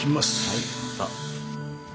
はい。